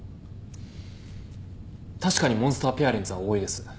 確かにモンスターペアレンツは多いです。